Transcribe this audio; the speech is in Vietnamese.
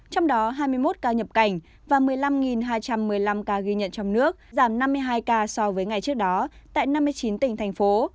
trong đó hai mươi một ca nhập cảnh và một mươi năm hai trăm một mươi năm ca ghi nhận trong nước giảm năm mươi hai ca so với ngày trước đó tại năm mươi chín tỉnh thành phố